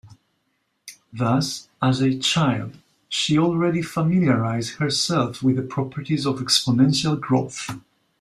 Thus, as a child, she already familiarized herself with the properties of exponential growth.